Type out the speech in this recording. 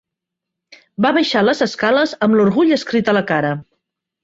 Va baixar les escales amb l'orgull escrit a la cara.